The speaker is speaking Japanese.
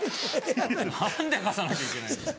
何で貸さなきゃいけないんですか。